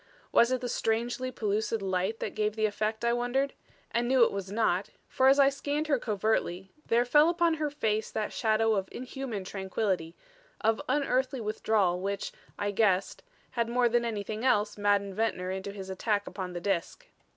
Was it the strangely pellucid light that gave the effect, I wondered; and knew it was not, for as I scanned her covertly, there fell upon her face that shadow of inhuman tranquillity, of unearthly withdrawal which, I guessed, had more than anything else maddened Ventnor into his attack upon the Disk.